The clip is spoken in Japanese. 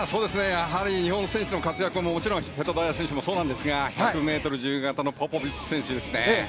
日本選手の活躍ももちろん瀬戸大也選手もそうなんですが１００ｍ自由形のポポビッチ選手ですね。